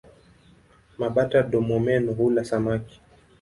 Mabata-domomeno hula samaki.